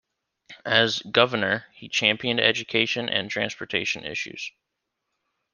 As governor, he championed education and transportation issues.